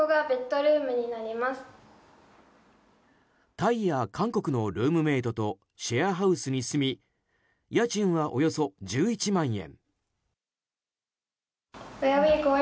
タイや韓国のルームメートとシェアハウスに住み家賃はおよそ１１万円。